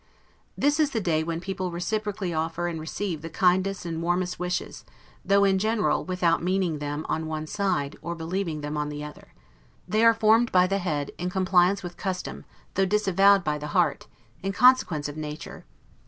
This is the day when people reciprocally offer and receive the kindest and the warmest wishes, though, in general, without meaning them on one side, or believing them on the other. They are formed by the head, in compliance with custom, though disavowed by the heart, in consequence of nature.